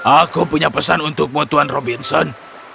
aku punya pesan untukmu tuan robinson